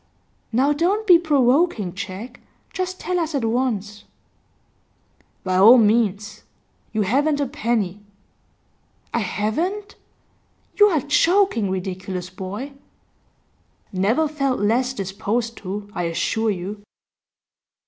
'Now don't be provoking, Jack. Just tell us at once.' 'By all means. You haven't a penny.' 'I haven't? You are joking, ridiculous boy!' 'Never felt less disposed to, I assure you.